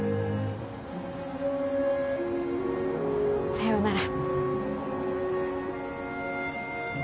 さようなら。